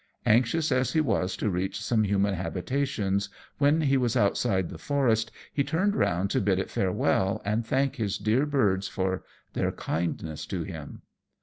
Anxious as he was to reach some human habitations, when he was outside the forest he turned round to bid it farewell, and thank his dear birds for their kindness to him.